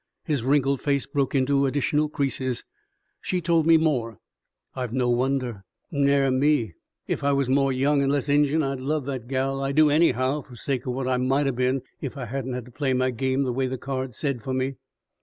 His wrinkled face broke into additional creases. "She told me more!" "I've no wonder." "Ner me. Ef I was more young and less Injun I'd love that gal! I do, anyhow, fer sake o' what I might of been ef I hadn't had to play my game the way the cards said fer me.